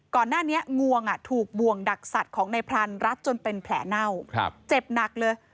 ก่อนหน้านี้งวงถูกบ่วงดักสัตว์ของในพรานรัดจนเป็นแผลเน่าเจ็บหนักเลย